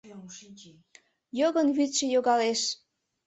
Йогын вӱдшӧ йогалеш